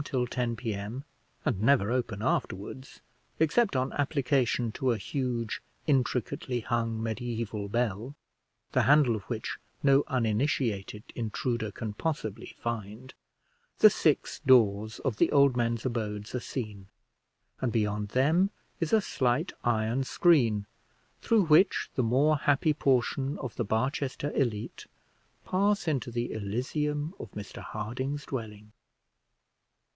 till 10 P.M., and never open afterwards, except on application to a huge, intricately hung mediæval bell, the handle of which no uninitiated intruder can possibly find, the six doors of the old men's abodes are seen, and beyond them is a slight iron screen, through which the more happy portion of the Barchester elite pass into the Elysium of Mr Harding's dwelling.